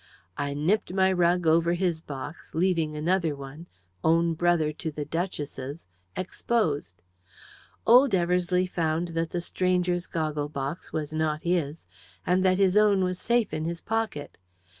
I nipped my rug over his box, leaving another one own brother to the duchess's exposed. Old Eversleigh found that the stranger's goggle box was not his that his own was safe in his pocket!